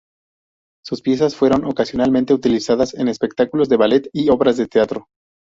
Sus piezas fueron ocasionalmente utilizadas en espectáculos de ballet y obras de teatro.